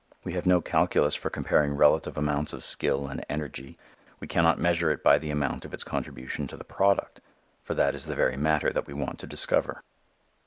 We have no calculus for comparing relative amounts of skill and energy. We can not measure it by the amount of its contribution to the product, for that is the very matter that we want to discover.